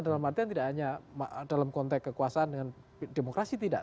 dalam artian tidak hanya dalam konteks kekuasaan dengan demokrasi tidak